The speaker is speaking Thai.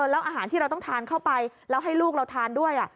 แล้วอาหารที่เราต้องทานเข้าไปแล้วให้ลูกเราทานด้วย